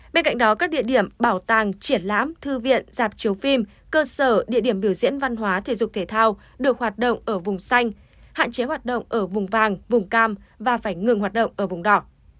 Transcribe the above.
bên cạnh đó các địa điểm bảo tàng triển lãm thư viện dạp chiếu phim cơ sở địa điểm biểu diễn văn hóa thể dục thể thao được hoạt động ở vùng xanh hạn chế hoạt động ở vùng vàng vùng cam và phải ngừng hoạt động ở vùng đỏ